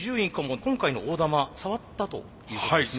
今回の大玉触ったということですね。